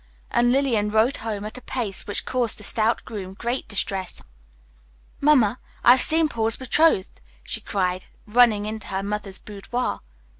And Lillian rode home at a pace which caused the stout groom great distress. "Mamma, I've seen Paul's betrothed!" she cried, running into her mother's boudoir.